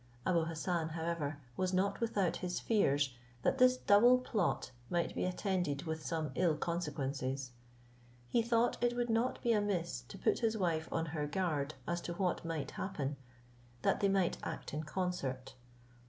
Abou Hassan, however, was not without his fears that this double plot might be attended with some ill consequences. He thought it would not be amiss to put his wife on her guard as to what might happen, that they might aft in concert.